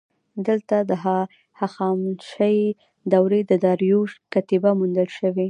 دلته د هخامنشي دورې د داریوش کتیبه موندل شوې